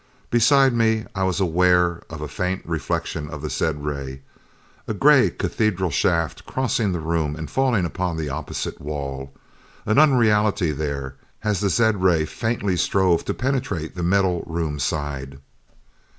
Beside me, I was aware of a faint reflection of the zed ray a gray cathedral shaft crossing the room and falling upon the opposite wall. An unreality there, as the zed ray faintly strove to penetrate the metal room side.